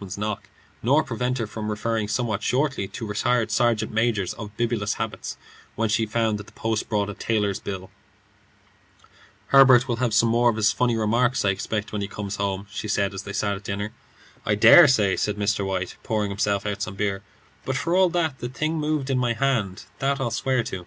All of which did not prevent her from scurrying to the door at the postman's knock, nor prevent her from referring somewhat shortly to retired sergeant majors of bibulous habits when she found that the post brought a tailor's bill. "Herbert will have some more of his funny remarks, I expect, when he comes home," she said, as they sat at dinner. "I dare say," said Mr. White, pouring himself out some beer; "but for all that, the thing moved in my hand; that I'll swear to."